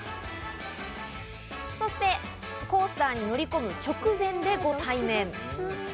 そしてコースターに乗り込む直前でご対面。